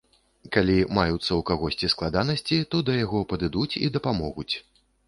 Калі маюцца ў кагосьці складанасці, то да яго падыдуць і дапамогуць.